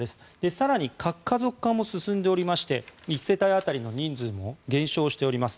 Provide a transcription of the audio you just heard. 更に核家族化も進んでいまして１世帯当たりの人数も減少しています。